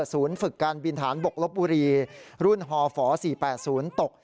ฝึกการบินฐานบกลบบุรีรุ่นฮฝ๔๘๐ตก